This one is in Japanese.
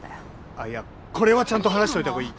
あいやこれはちゃんと話しといたほうがいい。